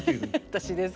私ですか？